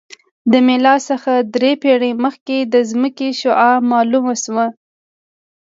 د میلاد څخه درې پېړۍ مخکې د ځمکې شعاع معلومه شوه